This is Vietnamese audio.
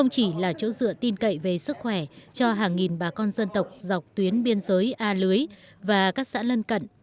chỉ là chỗ dựa tin cậy về sức khỏe cho hàng nghìn bà con dân tộc dọc tuyến biên giới a lưới và các xã lân cận